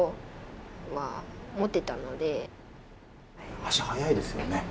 足、速いですよね。